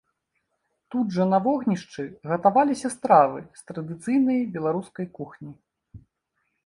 Тут жа на вогнішчы гатаваліся стравы з традыцыйнай беларускай кухні.